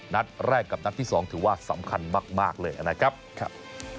นัดแรกกับนัดที่สองถือว่าสำคัญมากมากเลยนะครับครับ